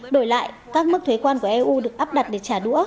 đổi lại các mức thuế quan của eu được áp đặt để trả đũa